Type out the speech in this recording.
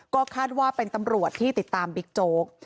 ก็คาดว่าเป็นตำรวจที่ติดตามบิ๊กโจ๊ก